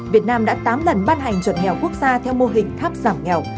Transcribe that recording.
việt nam đã tám lần ban hành chuẩn nghèo quốc gia theo mô hình tháp giảm nghèo